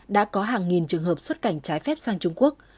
đã có hàng nghìn trường hợp xuất cảnh trái phép sang trung quốc